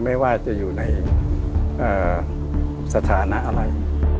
ไม่ว่าจะอยู่ในสถานะอะไร